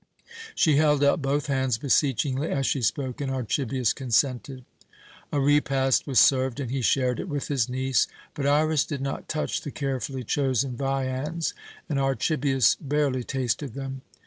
She held out both hands beseechingly as she spoke, and Archibius consented. A repast was served, and he shared it with his niece; but Iras did not touch the carefully chosen viands, and Archibius barely tasted them.